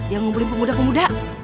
yang ngumpulin pemuda pemuda